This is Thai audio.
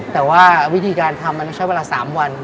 แต่ว่าวิธีการทํู้นั้นใช้เวลาสามวัน